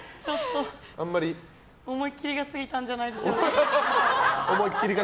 思い切りが過ぎたんじゃないでしょうか。